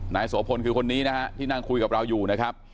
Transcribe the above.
โสพลคือคนนี้นะฮะที่นั่งคุยกับเราอยู่นะครับ